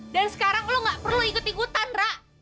dan sekarang lo nggak perlu ikut ikutan ra